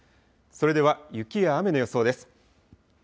それでは雪や雨の予想です。